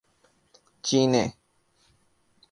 چینّے